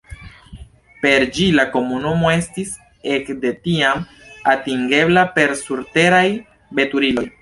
Per ĝi la komunumo estis ek de tiam atingebla per surteraj veturiloj.